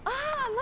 何！